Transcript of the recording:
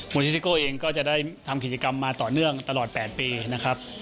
วันนี้ซิโก้เองก็จะได้ทำกิจกรรมมาต่อเนื่องตลอด๘ปีนะครับ